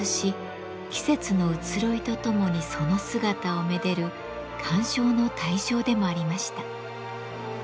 季節の移ろいとともにその姿をめでる鑑賞の対象でもありました。